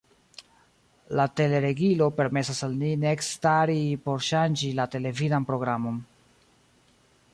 La teleregilo permesas al ni ne ekstari por ŝanĝi la televidan programon.